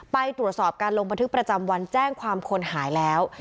ไปตรวจสอบการลงบันทึกประจำวันแจ้งความคนหายแล้ว